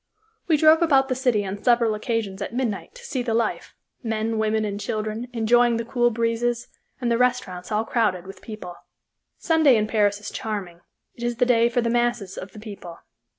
We drove about the city on several occasions at midnight, to see the life men, women, and children enjoying the cool breezes, and the restaurants all crowded with people. Sunday in Paris is charming it is the day for the masses of the people.